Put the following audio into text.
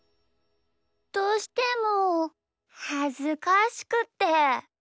どうしてもはずかしくて。